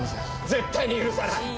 絶対に許さない！